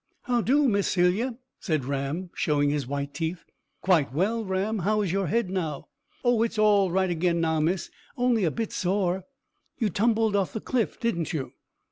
"How do, Miss Celia?" said Ram, showing his white teeth. "Quite well, Ram. How is your head now?" "Oh, it's all right agen now, miss. On'y a bit sore." "You tumbled off the cliff, didn't you?"